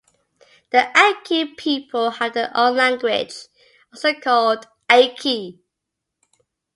The Akie people have their own language, also called Akie.